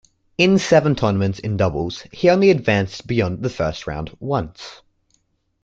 In seven tournaments in doubles, he only advanced beyond the first round once.